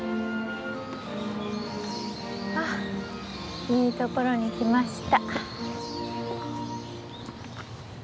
あっいい所に来ました。